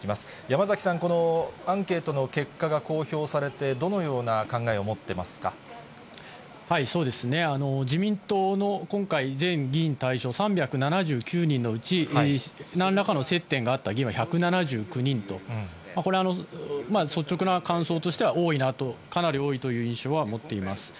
山崎さん、このアンケートの結果が公表されて、どのような考えを持ってますそうですね、自民党の今回、全議員対象、３７９人のうち、なんらかの接点があった議員は１７９人と、これは率直な感想としては多いなと、かなり多いという印象は持っています。